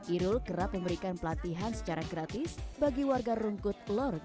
irul kerap memberikan pelatihan secara gratis bagi warga rungkut lor gang dua